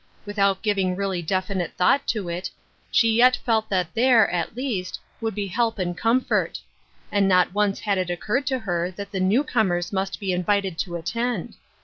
Without giving really definite thought to 74 Ruth Erskines Crosses. it, she yet felt that there, at least, would be help and comfort ; and not once had it occurred to her that the new comers must be invited to attend.